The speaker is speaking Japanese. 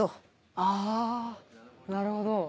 あなるほど。